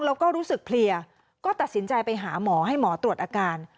แล้วก็รู้สึกเพลียก็ตัดสินใจไปหาหมอให้หมอตรวจอาการ